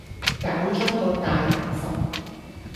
搞出個大頭佛